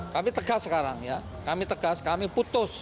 kami tegas sekarang ya kami tegas kami putus